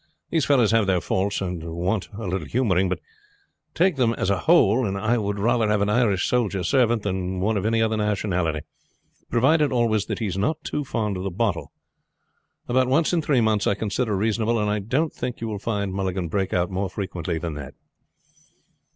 These fellows have their faults, and want a little humoring; but, take them as a whole, I would rather have an Irish soldier servant than one of any other nationality, provided always that he is not too fond of the bottle. About once in three months I consider reasonable, and I don't think you will find Mulligan break out more frequently than that."